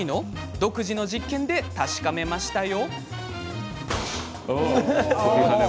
独自の実験で確かめましたよ。